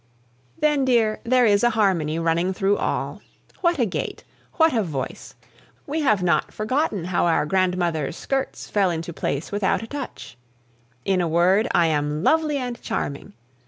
Then, dear, there is a harmony running through all. What a gait! what a voice! We have not forgotten how our grandmother's skirts fell into place without a touch. In a word, I am lovely and charming.